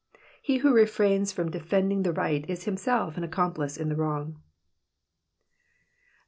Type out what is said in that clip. He who refrains from defending the right is himself an accomplice in the wrong. i>t?